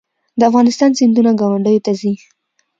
د افغانستان سیندونه ګاونډیو ته ځي